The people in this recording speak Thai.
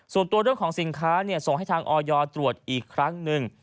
ส่วนตัวเรื่องของสินค้าส่งให้ทางออยตรวจอีกครั้งหนึ่ง